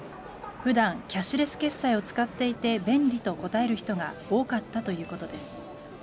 普段キャッシュレス決済を使っていて便利と答える人が多かったということです。